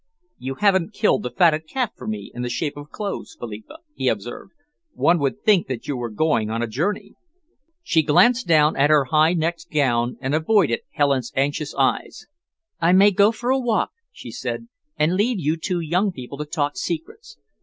"You haven't killed the fatted calf for me in the shape of clothes, Philippa," he observed. "One would think that you were going on a journey." She glanced down at her high necked gown and avoided Helen's anxious eyes. "I may go for a walk," she said, "and leave you two young people to talk secrets.